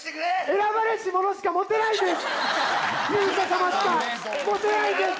選ばれし者しか持てないのです！